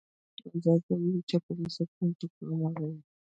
ازادي راډیو د چاپیریال ساتنه ته پام اړولی.